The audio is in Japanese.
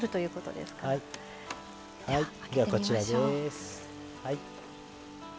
ではこちらです。